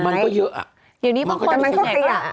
มันก็เยอะแต่มันก็ขยะ